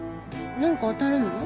何か当たるの？